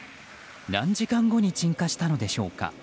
何時間後に鎮火したのでしょうか。